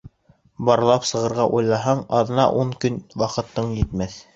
Барлап сығырға уйлаһаң, аҙна-ун көн ваҡытың етмәҫ.